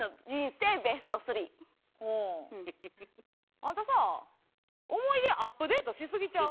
あんたさ思い出アップデートしすぎちゃう？